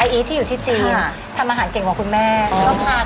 อีทที่อยู่ที่จีนทำอาหารเก่งกว่าคุณแม่